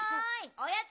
おやつ！